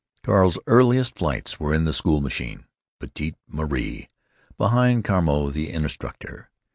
Carl's earliest flights were in the school machine, "P'tite Marie," behind Carmeau, the instructor.